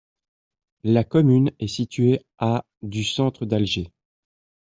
La commune est située à du centre d'Alger.